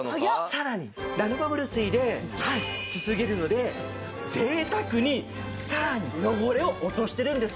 さらにナノバブル水ですすげるので贅沢にさらに汚れを落としてるんです。